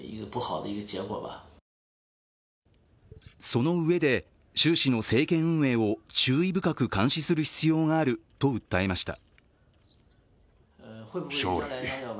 そのうえで、習氏の政権運営を注意深く監視する必要があると訴えました。